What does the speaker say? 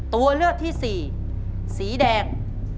ตัวเลือกที่สี่สีแดง